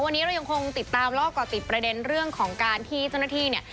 วันนี้เรายังคงติดตามแล้วก็ก่อติดประเด็นเรื่องของการที่เจ้าหน้าที่เนี่ย